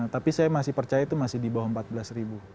tapi saya masih percaya itu masih di bawah empat belas ribu